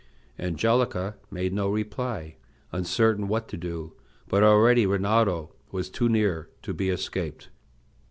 Angelica made no reply, uncertain what to do; but already Rinaldo was too near to be escaped.